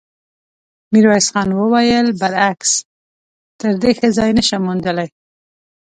ميرويس خان وويل: برعکس، تر دې ښه ځای نه شم موندلی.